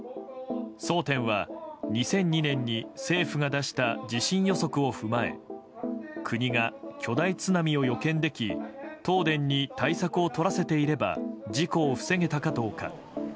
争点は２００２年に政府が出した地震予測を踏まえ国が巨大津波を予見でき東電に対策をとらせていれば事故を防げたかどうか。